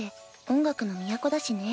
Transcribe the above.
音楽の都だしね。